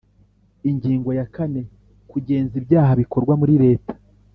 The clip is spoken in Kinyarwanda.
Ingingo ya kane Kugenza ibyaha bikorwa muri leta